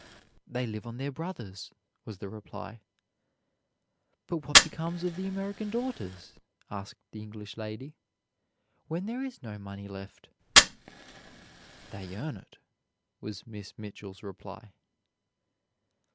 "They live on their brothers," was the reply. "But what becomes of the American daughters," asked the English lady, "when there is no money left?" "They earn it," was Miss Mitchell's reply.